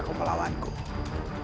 menggunakan pc mendoza